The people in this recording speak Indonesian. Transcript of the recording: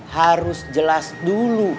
harus jelas dulu